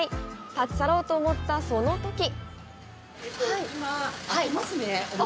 立ち去ろうと思った、そのとき！